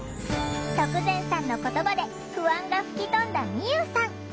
徳善さんの言葉で不安が吹き飛んだみゆうさん。